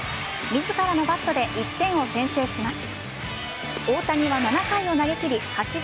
自らのバットで１点を先制します。